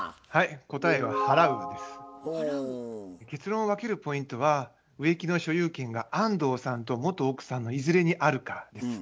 答えは結論を分けるポイントは植木の所有権が安藤さんと元奥さんのいずれにあるかです。